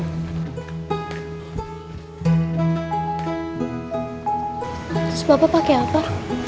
terus bapak pakai apa